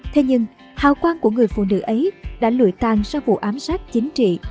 thế nhưng hào quang của người phụ nữ ấy đã lụi tàn sau vụ ám sát chính trị